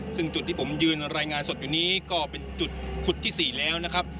ซึ่งจุดที่ผมยืนรายงานสดอยู่นี้ก็เป็นจุดขุดที่๔แล้วนะครับ